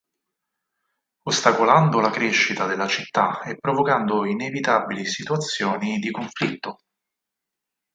Ostacolando la crescita della città e provocando inevitabili situazioni di conflitto.